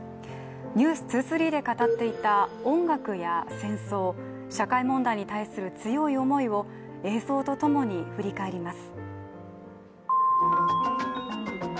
「ＮＥＷＳ２３」で語っていた音楽や戦争、社会問題に対する強い思いを映像とともに振り返ります。